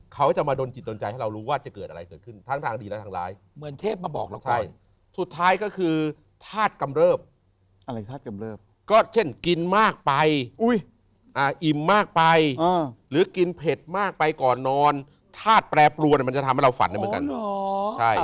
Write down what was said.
เขาจะมาดนจิตดนใจให้เรารู้ว่าจะเกิดอะไรเกิดขึ้นทั้งทางดีและทางร้ายเหมือนเทพมาบอกเราไปสุดท้ายก็คือธาตุกำเริบอะไรธาตุกำเริบก็เช่นกินมากไปอิ่มมากไปหรือกินเผ็ดมากไปก่อนนอนธาตุแปรปรวนมันจะทำให้เราฝันได้เหมือนกัน